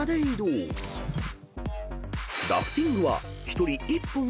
［ラフティングは］